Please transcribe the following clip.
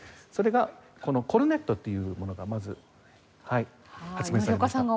それがこのコルネットっていうものがまず発明されました。